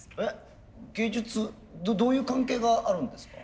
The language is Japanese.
どういう関係があるんですか？